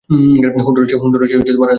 হন্ডুরাসের রাজধানী।